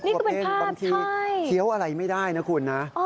กว่าเพลงบางทีเคี้ยวอะไรไม่ได้นะคุณนะ